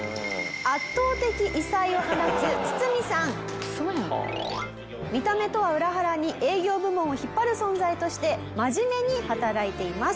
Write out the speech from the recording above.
圧倒的見た目とは裏腹に営業部門を引っ張る存在として真面目に働いています。